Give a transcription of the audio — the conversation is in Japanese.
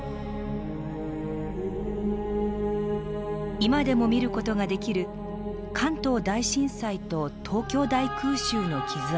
今でも見る事ができる関東大震災と東京大空襲の傷跡。